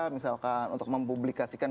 misalkan untuk mempublikasikan